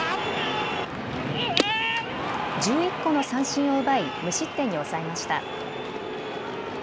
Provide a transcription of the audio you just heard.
１１個の三振を奪い無失点に抑えました。